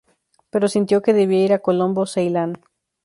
Pero sintió que debía ir a Colombo, Ceilán.